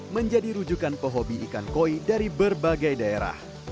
menjadi rujukan pehobi ikan koi dari berbagai daerah